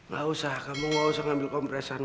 gak usah kamu gak usah ngambil kompresan